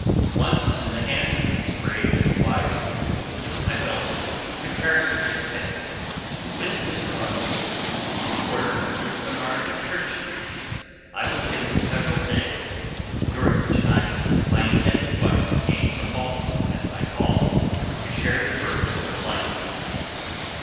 Once in the hands of these brave and wise men, I felt comparatively safe. With Mr. Ruggles, on the corner of Lispenard and Church streets, I was hidden several days, during which time my intended wife came on from Baltimore at my call, to share the burdens of life with me.